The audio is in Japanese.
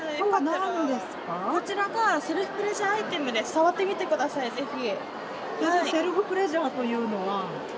触ってみてください、ぜひ。